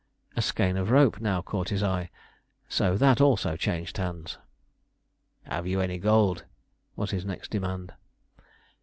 A skein of rope now caught his eye, so that also changed hands. "Have you any gold?" was his next demand.